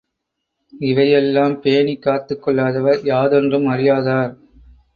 இவையெல்லாம் பேணிக் காத்துக்கொள்ளாதார் யாதொன்றும் அறியாதார்!